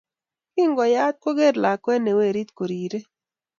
Kingo yaat kogeer lakweet ne weriit koriirei.